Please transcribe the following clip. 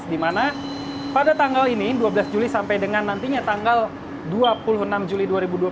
di mana pada tanggal ini dua belas juli sampai dengan nantinya tanggal dua puluh enam juli dua ribu dua puluh